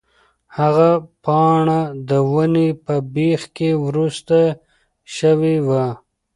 هغه پاڼه د ونې په بېخ کې ورسته شوې وه.